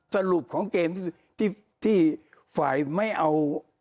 สรุปของเกมที่ฝ่ายไม่เอา